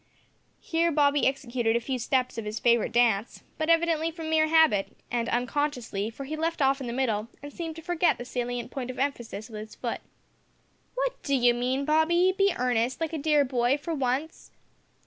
Here Bobby executed a few steps of his favourite dance, but evidently from mere habit, and unconsciously, for he left off in the middle, and seemed to forget the salient point of emphasis with his foot. "What do you mean, Bobby? be earnest, like a dear boy, for once."